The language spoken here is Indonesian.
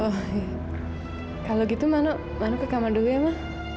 oh ya kalau gitu mano mano ke kamar dulu ya ma